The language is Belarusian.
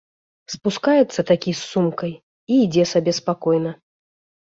Спускаецца такі, з сумкай, і ідзе сабе спакойна.